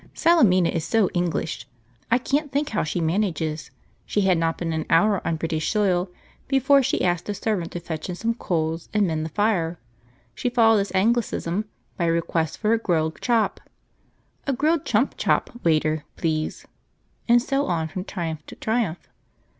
Salemina is so English! I can't think how she manages. She had not been an hour on British soil before she asked a servant to fetch in some coals and mend the fire; she followed this Anglicism by a request for a grilled chop, 'a grilled, chump chop, waiter, please,' and so on from triumph to triumph.